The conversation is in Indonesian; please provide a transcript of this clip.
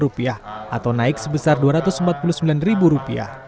rp tiga puluh empat delapan puluh sembilan juta atau naik sebesar rp dua ratus empat puluh sembilan ribu